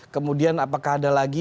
kemudian apakah ada lagi